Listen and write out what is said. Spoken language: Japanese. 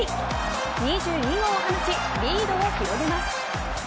２２号を放ちリードを広げます。